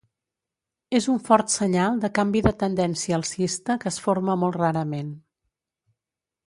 És un fort senyal de canvi de tendència alcista que es forma molt rarament.